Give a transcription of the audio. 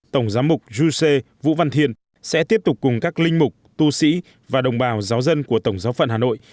tổng giám mục giê vũ văn thiên sẽ tiếp tục cùng các linh mục tu sĩ và đồng bào giáo dân của tổng giáo phận hà nội